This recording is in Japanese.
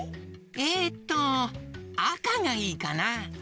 えっとあかがいいかな！